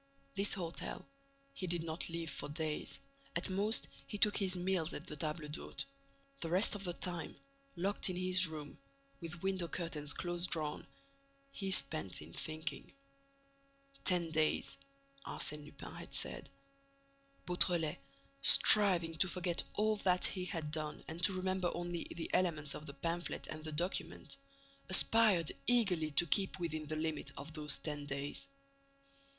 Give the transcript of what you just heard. This hotel he did not leave for days. At most, he took his meals at the table d'hôte. The rest of the time, locked in his room, with the window curtains close drawn, he spent in thinking. "Ten days," Arsène Lupin had said. Beautrelet, striving to forget all that he had done and to remember only the elements of the pamphlet and the document, aspired eagerly to keep within the limit of those ten days.